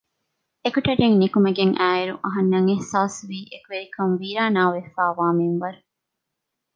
އެކޮޓަރިން ނިކުމެގެން އާއިރު އަހަންނަށް އިޙްޞާސްވީ އެކުވެރިކަން ވީރާނާވެފައިވާ މިންވަރު